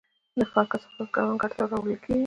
د ښار کثافات کروندو ته راوړل کیږي؟